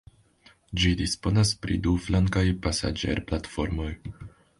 Ĝi disponas pri du flankaj pasaĝerplatformoj.